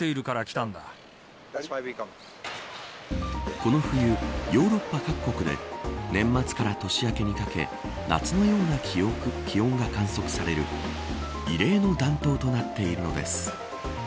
この冬、ヨーロッパ各国で年末から年明けにかけ夏のような気温が観測される異例の暖冬となっているのです。